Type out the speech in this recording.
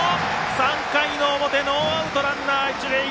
３回の表ノーアウトランナー、一塁。